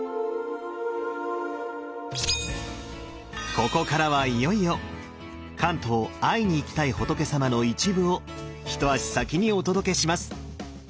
ここからはいよいよ「関東会いに行きたい仏さま」の一部を一足先にお届けします！